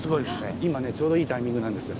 今ねちょうどいいタイミングなんですよ。